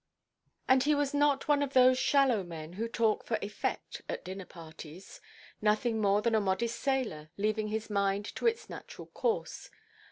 "And he was not one of those shallow men who talk for effect at dinner–parties. Nothing more than a modest sailor, leaving his mind to its natural course.